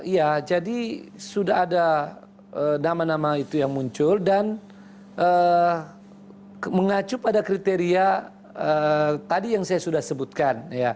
ya jadi sudah ada nama nama itu yang muncul dan mengacu pada kriteria tadi yang saya sudah sebutkan